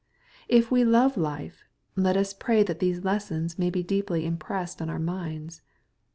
If we love life, let us pray that these lessons may be deeply impressed on our minds.